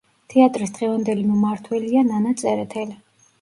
თეატრის დღევანდელი მმართველია ნანა წერეთელი.